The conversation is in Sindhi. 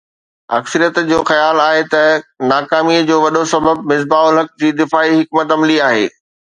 اڪثريت جو خيال آهي ته ناڪامي جو وڏو سبب مصباح الحق جي دفاعي حڪمت عملي آهي